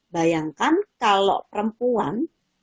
bayangkan kalau perempuan